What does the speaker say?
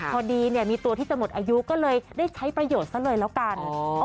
พอดีเนี่ยมีตัวที่จะหมดอายุก็เลยได้ใช้ประโยชน์ซะเลยแล้วกัน